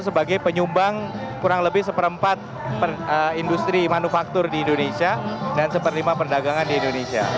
sebagai penyumbang kurang lebih seperempat industri manufaktur di indonesia dan satu lima perdagangan di indonesia